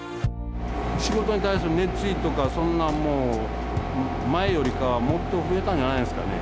仕事に対する熱意とかそんなんもう前よりかはもっと増えたんじゃないですかね。